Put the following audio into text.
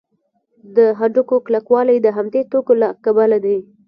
د هډوکو کلکوالی د همدې توکو له کبله دی.